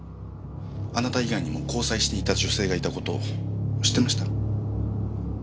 あなた以外にも交際していた女性がいた事を知ってました？